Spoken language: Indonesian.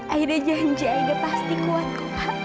aida janji aida pasti kuat kuat